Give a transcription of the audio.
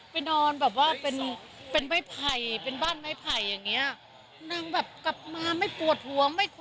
ไปนอนแบบว่าเป็นบ้านไม้ไผ่อย่างนี้